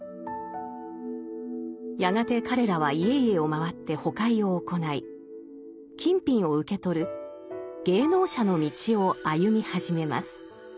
やがて彼らは家々を回ってほかひを行い金品を受け取る芸能者の道を歩み始めます。